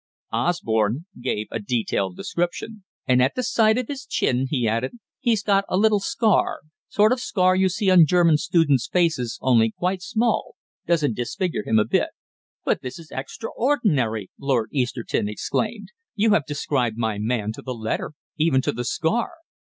Osborne gave a detailed description. "And at the side of his chin," he ended, "he's got a little scar, sort of scar you see on German students' faces, only quite small doesn't disfigure him a bit." "But this is extraordinary," Lord Easterton exclaimed. "You have described my man to the letter even to the scar.